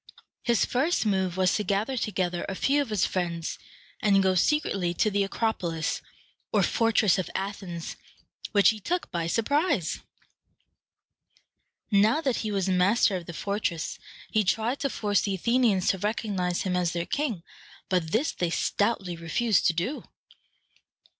His first move was to gather together a few of his friends, and go secretly to the Acropolis, or fortress of Athens, which he took by surprise. Now that he was master of the fortress, he tried to force the Athenians to recognize him as their king, but this they stoutly refused to do.